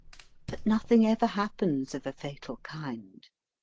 But nothing ever happens of a fatal kind.